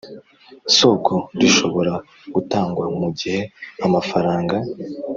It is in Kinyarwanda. soko rishobora gutangwa mu gihe amafaranga